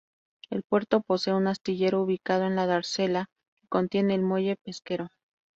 El puerto posee un astillero ubicado en la dársena que contiene al muelle pesquero.